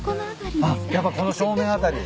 あっやっぱこの正面辺り。